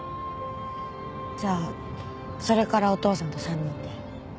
じゃあそれからお父さんと３人で？